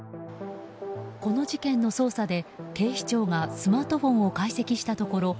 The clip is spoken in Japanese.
この事件の捜査で、警視庁がスマートフォンを解析したところ